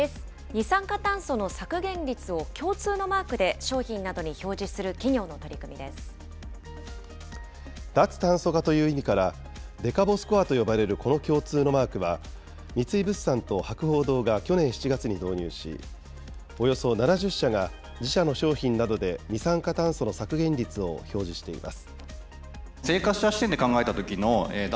二酸化炭素の削減率を共通のマークで商品などに表示する企業の取脱炭素化という意味から、デカボスコアと呼ばれるこの共通のマークは、三井物産と博報堂が去年７月に導入し、およそ７０社が自社の商品などで二酸化炭素の削減率を表示しています。